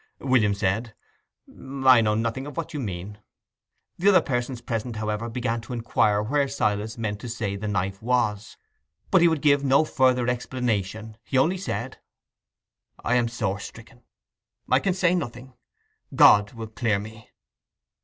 William said, "I know nothing of what you mean." The other persons present, however, began to inquire where Silas meant to say that the knife was, but he would give no further explanation: he only said, "I am sore stricken; I can say nothing. God will clear me."